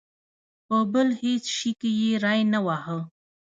په بل هېڅ شي کې یې ری نه واهه.